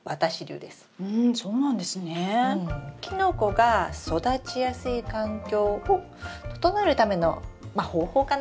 キノコが育ちやすい環境を整えるためのまあ方法かな？